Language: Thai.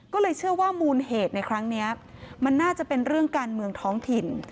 ก็เลยเชื่อว่ามูลเหตุในครั้งนี้มันน่าจะเป็นเรื่องการเมืองท้องถิ่น